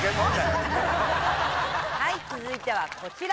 はい続いてはこちら。